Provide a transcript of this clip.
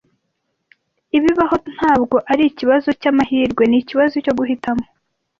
Ibibaho ntabwo ari ikibazo cyamahirwe; ni ikibazo cyo guhitamo